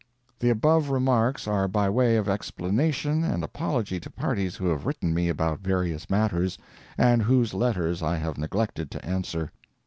The above remarks are by way of explanation and apology to parties who have written me about various matters, and whose letters I have neglected to answer.